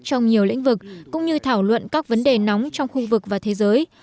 trong nhiều lĩnh vực cũng như thảo luận các vấn đề nóng trong khu vực và thế giới